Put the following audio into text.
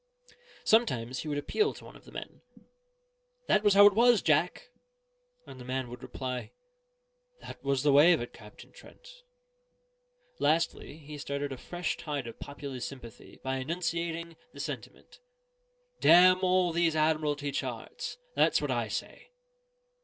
Sometimes he would appeal to one of the men "That was how it was, Jack?" and the man would reply, "That was the way of it, Captain Trent." Lastly, he started a fresh tide of popular sympathy by enunciating the sentiment, "Damn all these Admirality Charts, and that's what I say!"